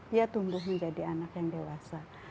dia tumbuh menjadi anak yang dewasa